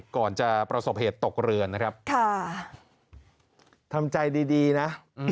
ก่อนจะประสบเหตุตกเรือนนะครับทำใจดีนะ